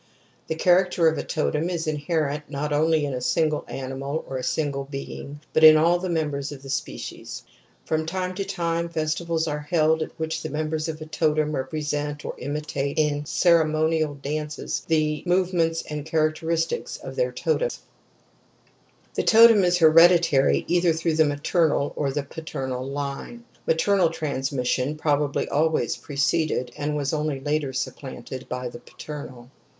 The character of a totem is inherent not only in a single animal or a single being but in all the members of the species. From time, to time festivals are held at which the members of a totem represent or imitate, in ceremonial dances, the movements and characteristics of their totems. The totem is hereditary, ^either through the maternal ,Q£ihc paternal line ; (maternal trans mission probably always preceded and was only later supplanted by the paternal).